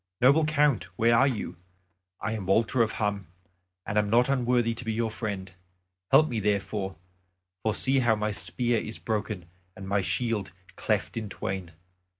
"Noble Count, where are you? I am Walter of Hum, and am not unworthy to be your friend. Help me therefore. For see how my spear is broken and my shield cleft in twain.